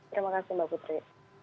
terima kasih mbak putri